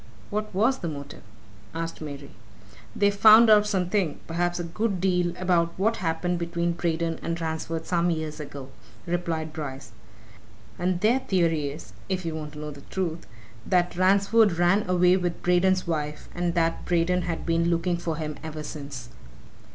"What was the motive?" asked Mary. "They've found out something perhaps a good deal about what happened between Braden and Ransford some years ago," replied Bryce. "And their theory is if you want to know the truth that Ransford ran away with Braden's wife, and that Braden had been looking for him ever since."